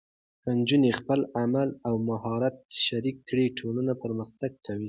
که نجونې خپل علم او مهارت شریک کړي، ټولنه پرمختګ کوي.